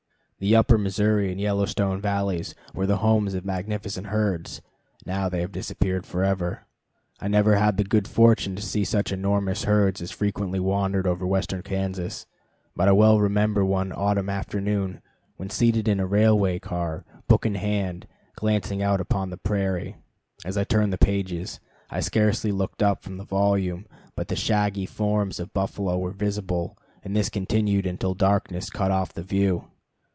The Upper Missouri and Yellowstone valleys were the homes of magnificent herds; now they have disappeared forever. I never had the good fortune to see such enormous herds as frequently wandered over western Kansas; but I well remember one autumn afternoon, when seated in a railway car, book in hand, glancing out upon the prairie, as I turned the pages, I scarcely looked up from the volume but the shaggy forms of buffalo were visible; and this continued until darkness cut off the view.